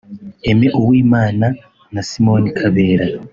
Aime Uwimana na Simon Kabera